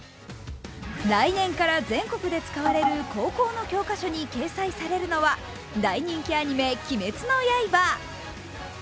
来年から全国で使われる高校の教科書に掲載されるのは大人気アニメ「鬼滅の刃」。